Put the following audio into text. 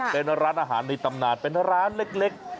เป็นร้านอาหารในตำนานเป็นร้านเล็ก